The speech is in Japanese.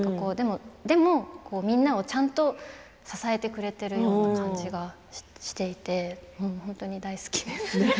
でも、みんなをちゃんと支えてくれているような感じがしていて本当に大好きです。